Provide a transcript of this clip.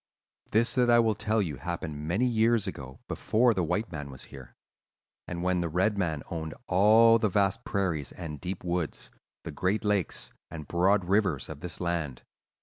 "This that I will tell you happened many years ago, before the white man was here, and when the red man owned all the vast prairies and deep woods, the great lakes and broad rivers of this land.